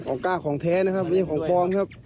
กล้าของแท้นะครับนี่ของปลอมครับ